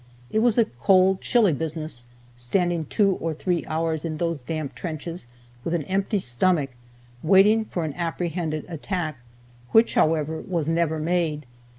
It was a cold, chilly business, standing two or three hours in those damp trenches, with an empty stomach, waiting for an apprehended attack, which, however, was never made.